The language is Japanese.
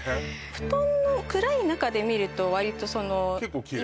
布団の暗い中で見るとわりと結構キレイ？